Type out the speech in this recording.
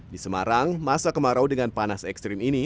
di semarang masa kemarau dengan panas ekstrim ini